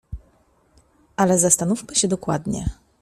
"Ale zastanówmy się dokładnie."